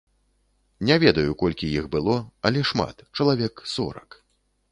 Не ведаю, колькі іх было, але шмат, чалавек сорак.